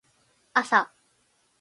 あさ